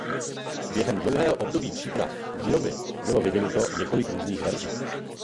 Během dlouhého období příprav výroby bylo vyvinuto několik různých verzí.